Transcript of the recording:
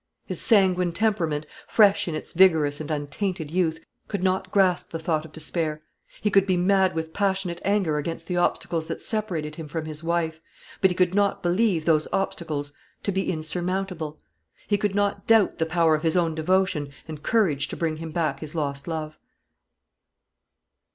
His sanguine temperament, fresh in its vigorous and untainted youth, could not grasp the thought of despair. He could be mad with passionate anger against the obstacles that separated him from his wife; but he could not believe those obstacles to be insurmountable. He could not doubt the power of his own devotion and courage to bring him back his lost love.